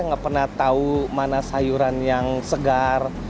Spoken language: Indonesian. nggak pernah tahu mana sayuran yang segar